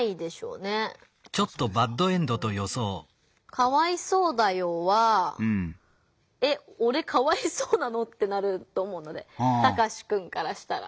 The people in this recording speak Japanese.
「かわいそうだよー」は「えっおれかわいそうなの？」ってなると思うのでタカシくんからしたら。